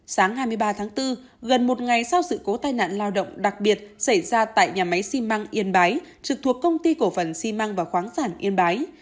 sáng hai mươi ba tháng bốn gần một ngày sau sự cố tai nạn lao động đặc biệt xảy ra tại nhà máy xi măng yên bái trực thuộc công ty cổ phần xi măng và khoáng sản yên bái